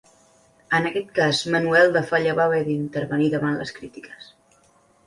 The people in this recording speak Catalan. En aquest cas Manuel de Falla va haver d'intervenir davant les crítiques.